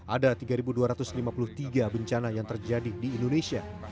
ada tiga dua ratus lima puluh tiga bencana yang terjadi di indonesia